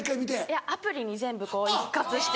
いやアプリに全部一括して。